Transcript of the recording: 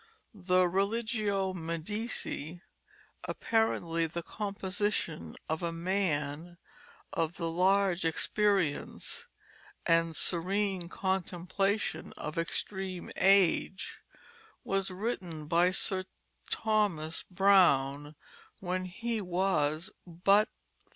The Religio Medici, apparently the composition of a man of the large experience and serene contemplation of extreme age, was written by Sir Thomas Browne when he was but thirty.